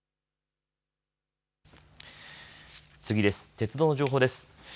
鉄道の情報です。